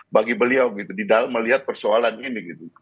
bagi beliau gitu di dalam melihat persoalan ini gitu